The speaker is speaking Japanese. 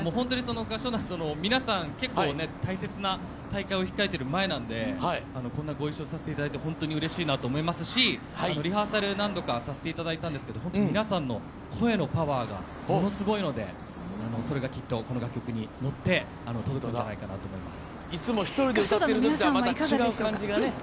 合唱団の皆さん大切な大会を控えている前なのでご一緒させていただいて本当にうれしいなと思いますしリハーサル何度かさせていただいたんですが皆さんの声のパワーがものすごいのでそれがきっとこの楽曲に乗って届くんじゃないかなと思います。